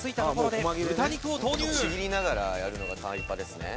ちぎりながらやるのがタイパですね。